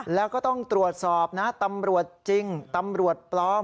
แล้วก็ต้องตรวจสอบนะตำรวจจริงตำรวจปลอม